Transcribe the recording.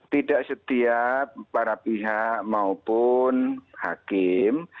tidak setiap para pihak maupun hakim